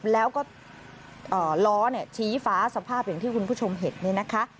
แล้วก็ล้อชี้ฟ้าสภาพอย่างที่คุณผู้ชมเห็นเนี่ยนะคะ